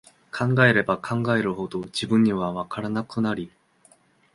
考えれば考えるほど、自分には、わからなくなり、